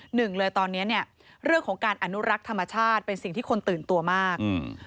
หนึ่งเลยตอนนี้เนี่ยเรื่องของการอนุรักษ์ธรรมชาติเป็นสิ่งที่คนตื่นตัวมากอืม